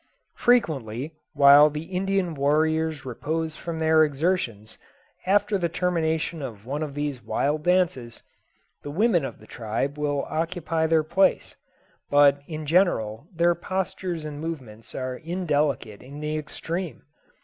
Frequently, while the Indian warriors repose from their exertions, after the termination of one of these wild dances, the women of the tribe will occupy their place; but in general their postures and movements are indelicate in the extreme.